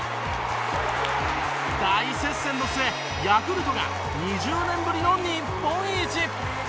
大接戦の末ヤクルトが２０年ぶりの日本一。